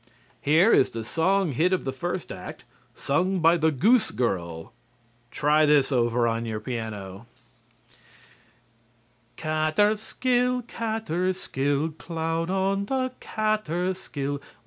Here is the song hit of the first act, sung by the Goose Girl. Try this over on your piano: _Kaaterskill, Kaaterskill, Cloud on the Kaaterskill!